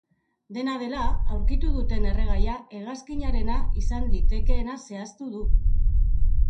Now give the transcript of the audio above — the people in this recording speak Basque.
Dena dela, aurkitu duten erregaia hegazkinarena izan litekeena zehaztu du.